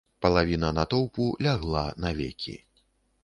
Палавіна натоўпу лягла навекі.